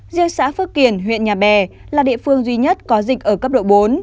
riêng xã phước kiển huyện nhà bè là địa phương duy nhất có dịch ở cấp độ bốn